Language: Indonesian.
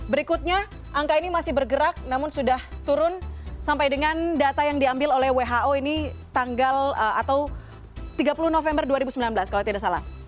berikutnya angka ini masih bergerak namun sudah turun sampai dengan data yang diambil oleh who ini tanggal atau tiga puluh november dua ribu sembilan belas kalau tidak salah